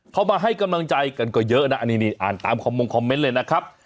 เขามาให้กำลังใจกันก็เยอะนะอ่านตามมุมคอมเม้นต์เลยนะครับ